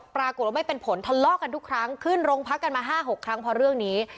ปรากฏว่าไม่เป็นผลทะเลาะกันทุกครั้งขึ้นโรงพักกันมา๕๖ครั้งเพราะเรื่องนี้